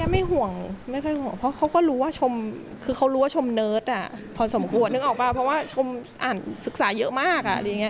ไม่ห่วงไม่ค่อยห่วงเพราะเขาก็รู้ว่าชมคือเขารู้ว่าชมเนิร์ตพอสมควรนึกออกป่ะเพราะว่าชมอ่านศึกษาเยอะมากอะไรอย่างนี้